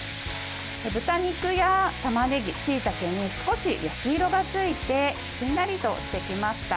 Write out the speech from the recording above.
豚肉やたまねぎ、しいたけに少し焼き色がついてしんなりとしてきました。